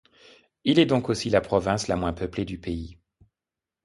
Il est donc aussi la province la moins peuplée du pays.